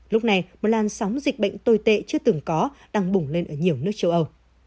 lúc này một làn sóng dịch bệnh tồi tệ chưa từng có đang bùng lên ở nhiều nước châu âu